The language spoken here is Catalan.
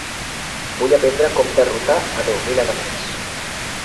Vull aprendre com derrotar a deu mil enemics.